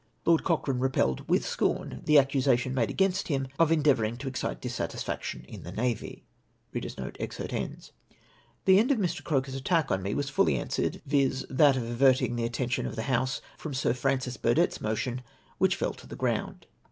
" Lord Cochrane repelled with scorn the accusation made against him of endeavouring to excite dissatisfaction in the navy." The end of Mr. Croker's attack on me was fully answered, viz. that of averting the attention of the House from Sir Francis Burdett's motion, which fell to the ground.